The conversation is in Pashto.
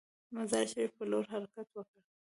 مزار شریف پر لور حرکت وکړ.